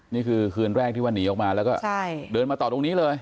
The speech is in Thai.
นี่คือคืนแรกที่ว่าหนีออกมาแล้วก็เดินมาต่อตรงนี้เลย